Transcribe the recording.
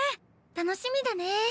楽しみだね。